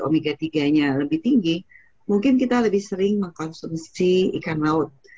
omega tiga nya lebih tinggi mungkin kita lebih sering mengkonsumsi ikan laut